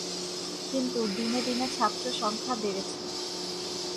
কিন্তু দিনে দিনে ছাত্র সংখ্যা বেড়েছে।